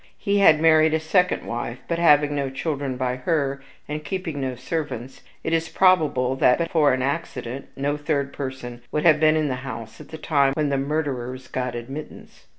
He had married a second wife, but, having no children by her, and keeping no servants, it is probable that, but for an accident, no third person would have been in the house at the time when the murderers got admittance.